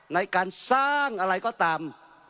ในการสร้างอะไรก็ตาม